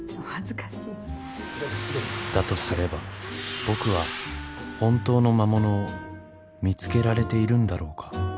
だとすれば僕は本当の魔物を見つけられているんだろうか。